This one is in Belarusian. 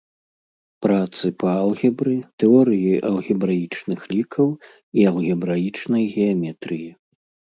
Працы па алгебры, тэорыі алгебраічных лікаў і алгебраічнай геаметрыі.